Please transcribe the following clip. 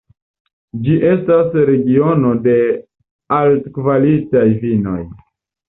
Ĝi estas regiono de altkvalitaj vinoj.